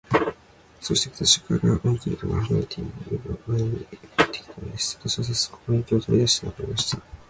そして、私から一マイルとは離れていない眼の前に見えて来たのです。私はさっそく、望遠鏡を取り出して眺めました。